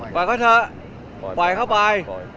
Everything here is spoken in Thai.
ว่ายเขาเถอะปล่อยเข้าไป